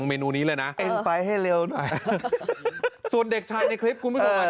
เมนูนี้เลยนะเอ็นไฟล์ให้เร็วหน่อยส่วนเด็กชายในคลิปคุณผู้ชม